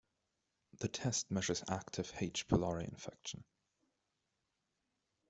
The test measures active "H. pylori" infection.